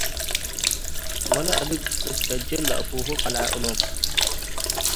ወለአድግ እት ከጅ'ል ለአፉሁ ቀልዐ እሎም።